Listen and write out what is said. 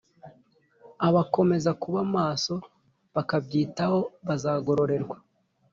Abakomeza kuba maso bakabyitaho bazagororerwa